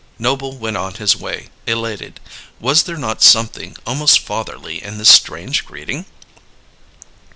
Noble went on his way, elated. Was there not something almost fatherly in this strange greeting?